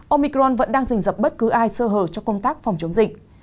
omicron vẫn đang dình dập bất cứ ai sơ hờ cho công tác phòng chống dịch